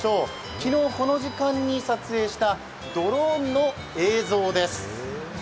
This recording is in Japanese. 昨日この時間に撮影したドローンの映像です。